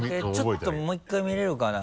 ちょっともう１回見れるかな？